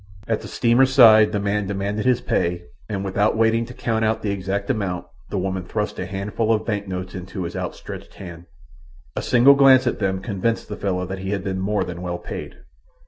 At the steamer's side the man demanded his pay and, without waiting to count out the exact amount, the woman thrust a handful of bank notes into his outstretched hand. A single glance at them convinced the fellow that he had been more than well paid.